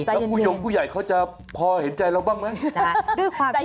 แล้วผู้ยงผู้ใหญ่เขาจะพอเห็นใจเราบ้างไหม